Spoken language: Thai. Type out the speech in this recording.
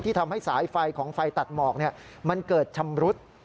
ทำให้สายไฟของไฟตัดหมอกมันเกิดชำรุด